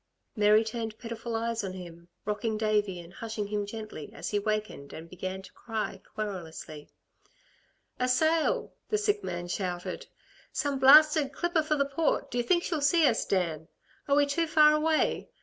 Mary turned pitiful eyes on him, rocking Davey and hushing him gently, as he wakened and began to cry querulously. "A sail!" the sick man shouted. "Some blasted clipper for the Port, d'y' think she'll see us, Dan? Are we too far away?